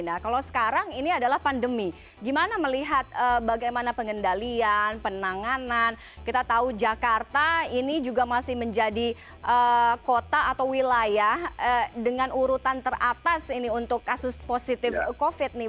nah kalau sekarang ini adalah pandemi gimana melihat bagaimana pengendalian penanganan kita tahu jakarta ini juga masih menjadi kota atau wilayah dengan urutan teratas ini untuk kasus positif covid nih